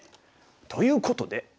ということで。